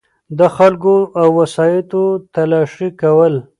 دخلګو او وسایطو تلاښي کول